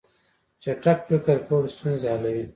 چټک فکر کول ستونزې حلوي.